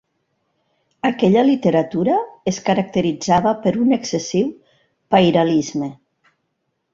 Aquella literatura es caracteritzava per un excessiu pairalisme.